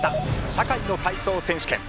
社会の体操選手権。